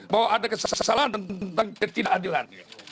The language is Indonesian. bahwa ada kesalahan tentang ketidakadilan